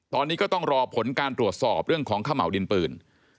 ตอนนี้ก็ต้องรอผลการตรวจสอบเรื่องของขม่าวดินปืน